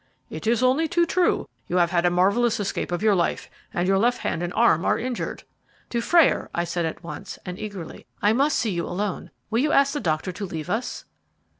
"It is only too true; you have had a marvellous escape of your life, and your left hand and arm are injured." "Dufrayer," I said at once, and eagerly, "I must see you alone. Will you ask the doctor to leave us?"